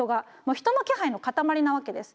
人の気配の塊なわけです。